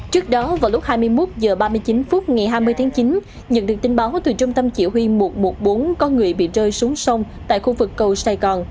trước đó vào lúc hai mươi một h ba mươi chín phút ngày hai mươi tháng chín nhận được tin báo từ trung tâm chỉ huy một trăm một mươi bốn có người bị rơi xuống sông tại khu vực cầu sài gòn